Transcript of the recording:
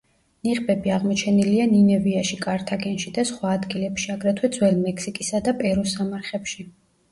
ნიღბები აღმოჩენილია ნინევიაში, კართაგენში და სხვა ადგილებში, აგრეთვე ძველ მექსიკისა და პერუს სამარხებში.